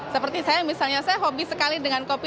seperti saya misalnya saya hobi sekali dengan kopi